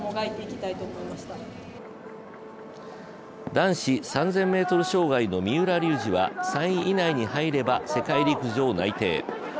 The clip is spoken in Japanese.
男子３０００ｍ障害の三浦龍司は３位以内に入れば世界陸上内定。